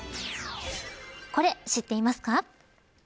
これ、知っていますか。